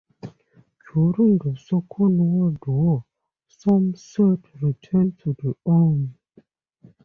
During the Second World War, Somerset returned to the army.